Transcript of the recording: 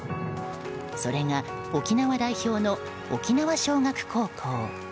それが沖縄代表の沖縄尚学高校。